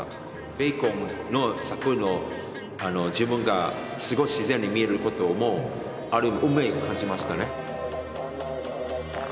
ベーコンの作品の自分がすごい自然に見えることもある運命を感じましたね。